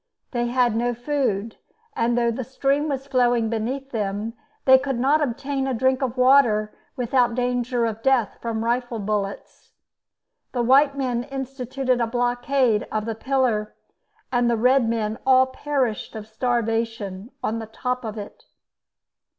They had no food, and though the stream was flowing beneath them, they could not obtain a drink of water without danger of death from rifle bullets. The white men instituted a blockade of the pillar, and the red men all perished of starvation on the top of it.